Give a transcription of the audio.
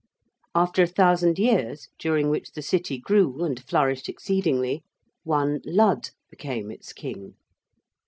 After a thousand years, during which the City grew and flourished exceedingly, one Lud became its king.